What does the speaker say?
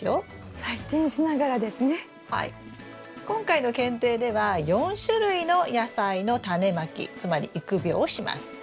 今回の検定では４種類の野菜のタネまきつまり育苗をします。